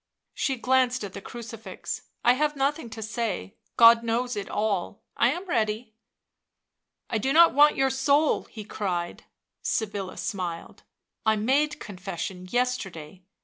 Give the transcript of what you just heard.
She glanced at the crucifix. " I have nothing to say; God knows it all. I am ready." " I do not want your soul," he cried. Sybilla smiled. " I made confession yesterday.